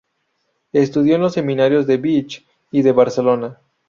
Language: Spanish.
Estudió en los seminarios de Vich y de Barcelona.